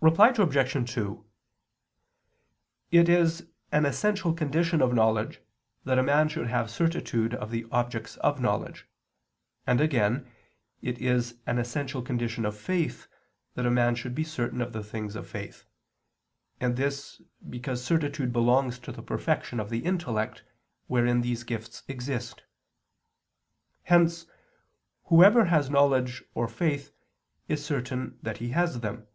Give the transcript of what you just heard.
Reply Obj. 2: It is an essential condition of knowledge that a man should have certitude of the objects of knowledge; and again, it is an essential condition of faith that a man should be certain of the things of faith, and this, because certitude belongs to the perfection of the intellect, wherein these gifts exist. Hence, whoever has knowledge or faith is certain that he has them.